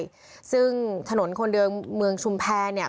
วัยทุกเส้นทางเข้าออกด้วยซึ่งถนนคนเดิมเมืองชุมแพรเนี่ย